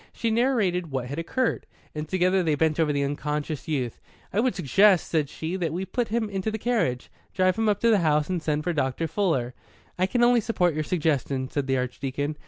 She narrated what had occurred, and together they bent over the unconscious youth. "I would suggest," said she, "that we put him into the carriage, drive him up to the house, and send for Dr. Fuller." "I can only support your suggestion," said the Archdeacon.